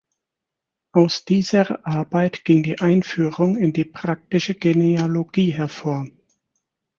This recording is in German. Aus dieser Arbeit ging die „Einführung in die praktische Genealogie“ hervor.